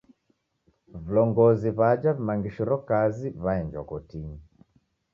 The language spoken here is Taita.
Vilongozi w'aja w'imangishiro kazi waenjwa kotinyi.